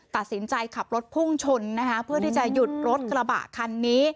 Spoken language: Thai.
ตัดสินใจขับรถพุ่งชนนะคะเพื่อที่จะหยุดรถกระบะคันนี้